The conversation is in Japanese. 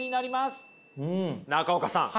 中岡さん